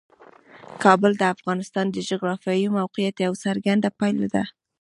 کابل د افغانستان د جغرافیایي موقیعت یوه څرګنده پایله ده.